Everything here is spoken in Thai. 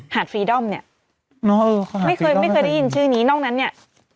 ดฟรีดอมเนี่ยไม่เคยไม่เคยได้ยินชื่อนี้นอกนั้นเนี่ย